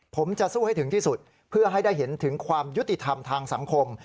ผมจะสู้ให้ถึงที่สุดเพื่อให้ได้เห็นถึงความยุติธรรมทางสังคม